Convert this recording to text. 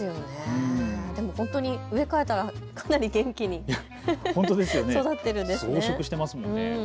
でも本当に植え替えたらかなり元気に育っているんですよね。